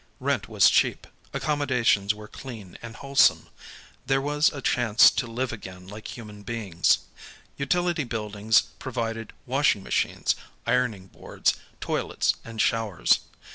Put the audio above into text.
Rent was cheap, accommodations were clean and wholesome. There was a chance to live again like human beings. Ufility buildings provided washing machines, ironing boards, toilets and showers.